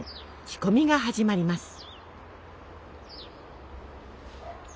仕込みが始まります。